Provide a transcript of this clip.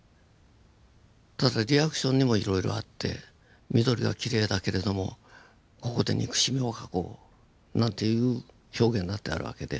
ただリアクションにもいろいろあって緑はきれいだけれどもここで憎しみを描こうなんていう表現だってあるわけで。